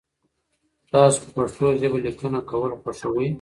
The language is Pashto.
تاسو په پښتو ژبه لیکنه کول خوښوئ؟